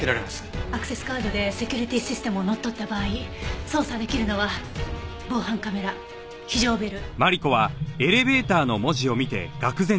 アクセスカードでセキュリティーシステムを乗っ取った場合操作出来るのは防犯カメラ非常ベル。